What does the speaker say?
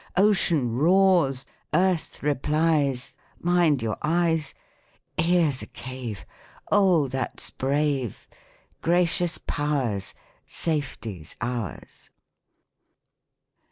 Ocean roars, Earth replies — Mind your eyes — Here's a cave — Oh ! that's brave ! Gracious Powers Safety's ours